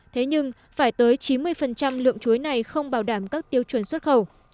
thế nhưng phải tới chín mươi lượng chuối này không bảo đảm các tiêu chuẩn xuất khẩu